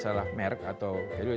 bukan salah merk atau video